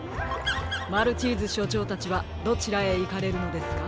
マルチーズしょちょうたちはどちらへいかれるのですか？